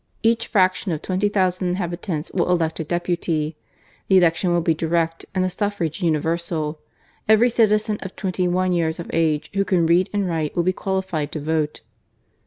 Each fraction of twenty thousand inhabitants will elect a deputy. The election will be direct and the suffrage universal. Every citizen of twenty one years of age who can read and write will be qualified to vote."